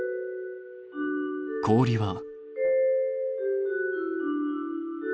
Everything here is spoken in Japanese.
氷は？